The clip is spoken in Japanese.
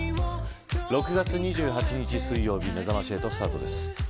６月２８日水曜日めざまし８スタートです。